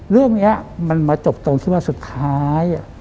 เรื่องนี้มันมาจบตรงที่ว่าสุดท้าย